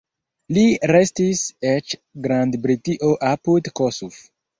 Li restis eĉ Grand-Britio apud Kossuth.